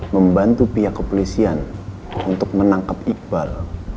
membantu pihak kepolisian untuk menangkap iqbal